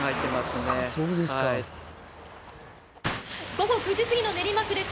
午後９時過ぎの練馬区です。